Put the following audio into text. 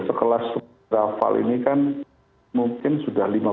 sekelas supraval ini kan mungkin sudah